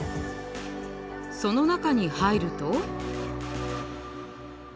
その中に入ると。